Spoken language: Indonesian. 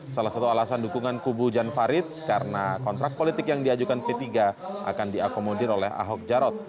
salah satu alasan dukungan kubu jan farid karena kontrak politik yang diajukan p tiga akan diakomodir oleh ahok jarot